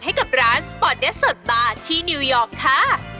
ให้กับร้านสปอร์ตเดสสดบาร์ที่นิวยอร์กค่ะ